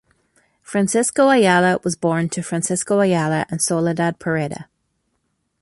Francisco Ayala was born to Francisco Ayala and Soledad Pereda.